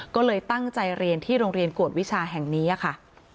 ก็เลยตั้งใจเรียนที่โรงเรียนกวดวิชาแห่งนี้ค่ะ